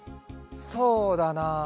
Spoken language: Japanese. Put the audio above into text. そうだな。